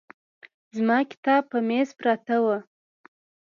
زما کتاب په مېز پراته وو.